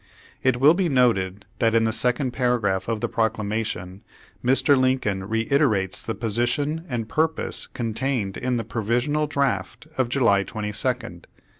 It will be noted that in the second para graph of the Proclamation Mr. Lincoln reiterates the position and purpose contained in the provi sional draft of July 22nd.